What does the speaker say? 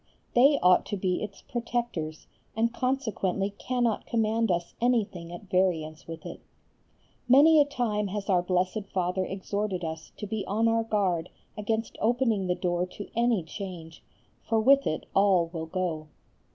They ought to be its protectors and consequently cannot command us anything at variance with it. Many a time has our Blessed Father exhorted us to be on our guard against opening the door to any change, for with it all will go.